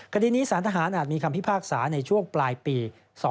คดีนี้สารทหารอาจมีคำพิพากษาในช่วงปลายปี๒๕๖